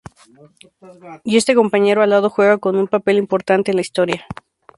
Y este compañero alado juega un papel importante en la historia.